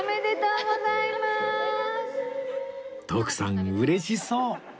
徳さん嬉しそう